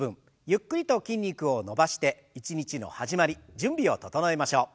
ゆっくりと筋肉を伸ばして一日の始まり準備を整えましょう。